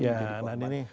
ya anak anak ini